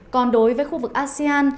còn đối với khu vực asean